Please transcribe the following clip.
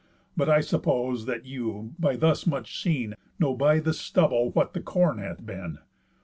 But I suppose, that you, by thus much seen, Know by the stubble what the corn hath been.